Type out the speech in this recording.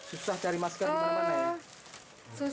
susah cari masker di mana mana ya